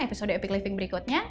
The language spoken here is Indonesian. episode epic living berikutnya